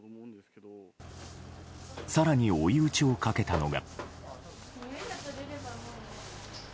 更に追い打ちをかけたのが。